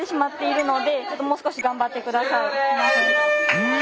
うん！